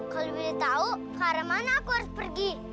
kalau boleh tahu ke arah mana aku harus pergi